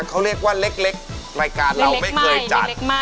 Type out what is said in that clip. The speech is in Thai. เขาเรียกว่าเล็กรายการเราไม่เคยจัด